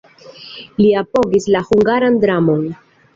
Li apogis la hungaran dramon.